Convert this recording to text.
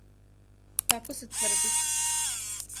Тако се тврди.